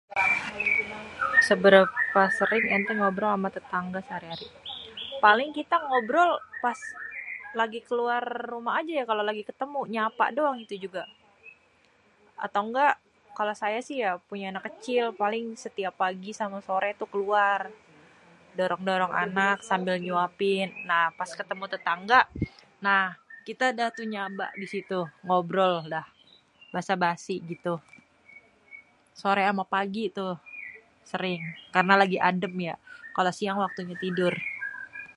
Seberapa sering ente ngobrol ama tetangga sehari-hari? Paling kita ngobrol pas lagi keluar rumah ajé kalo lagi ketemu, nyapa doang itu juga. Atau nggak, kalo saya sih ya, punya anak kecil paling setiap pagi sama sore tuh keluar, dorong-dorong anak sambil nyuapin, Nah, pas ketemu tetangga. Nah, itu kita nyaba di situ ngobrol dah basa-basi gitu. Sore ama pagi tuh, sering, karena lagi adem ya, kalo siang waktunya tidur.